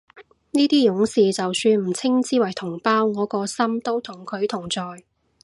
呢啲勇士就算唔稱之為同胞，我個心都同佢同在